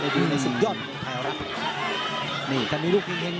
ล็อกแล้วก็อีกแม่ลูกเอง